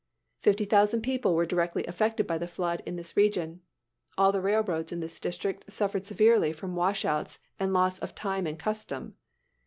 Fifty thousand people were directly affected by the flood in this region. All the railroads in this district suffered severely from wash outs and loss of time and custom.